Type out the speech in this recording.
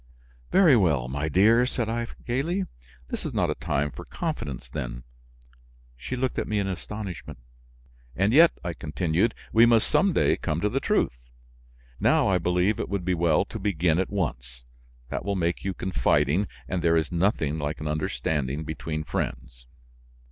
"Very well, my dear," said I gaily, "this is not a time for confidences then?" She looked at me in astonishment. "And yet," I continued, "we must some day come to the truth. Now I believe it would be well to begin at once; that will make you confiding, and there is nothing like an understanding between friends."